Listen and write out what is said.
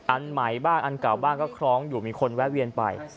อันใหม่บ้างอันเก่าบ้างก็คล้องอยู่มีคนแวะเวียนไป